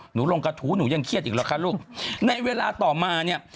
ลงกระทู้หนูยังเครียดอีกหรอคะลูกในเวลาต่อมาเนี่ย